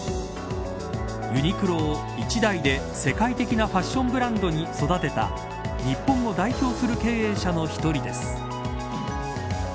ユニクロを１代で世界的なファッションブランドに育てた日本を代表する経営者の１人です。